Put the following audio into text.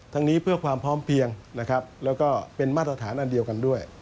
นี้เพื่อความพร้อมเพียงนะครับแล้วก็เป็นมาตรฐานอันเดียวกันด้วย